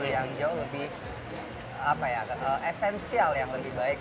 yang jauh lebih apa ya esensial yang lebih baik